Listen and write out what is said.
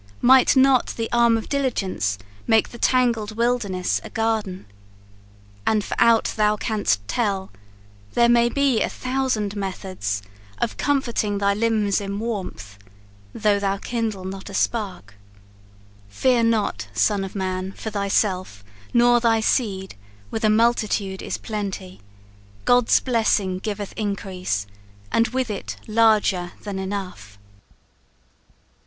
Might not the arm of diligence make the tangled wilderness a garden? And for aught thou can'st tell, there may be a thousand methods Of comforting thy limbs in warmth, though thou kindle not a spark. Fear not, son of man, for thyself, nor thy seed with a multitude is plenty: God's blessing giveth increase, and with it larger than enough."